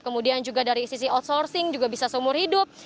kemudian juga dari sisi outsourcing juga bisa seumur hidup